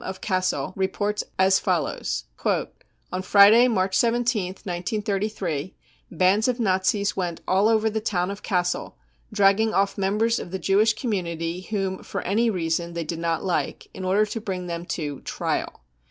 of Cassel, reports as follows :" On Friday, March 17th, 1933, bands of Nazis j went all over the town of Cassel, dragging off members I of the Jewish community whom for any reason they did I not like, in order to bring them to c trial.